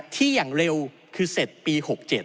อย่างเร็วคือเสร็จปี๖๗